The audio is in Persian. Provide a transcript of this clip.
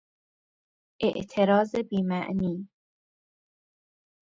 اعتراض بیمعنی